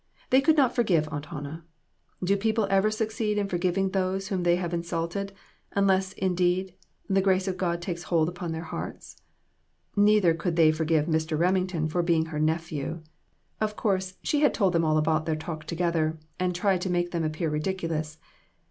They could not forgive Aunt Hannah ; do people ever succeed in forgiving those whom they have insul ted, unless, indeed, the grace of God takes hold upon their hearts ? Neither could they forgive Mr. Remington for being her nephew. Of course, she had told him all about their talk together, and tried to make them appear ridicu lous.